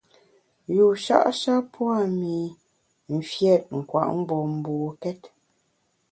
Yusha’ sha pua’ mi mfiét nkwet mgbom mbokét.